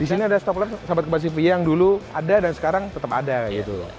disini ada stop lamp sambat kebasi v yang dulu ada dan sekarang tetep ada gitu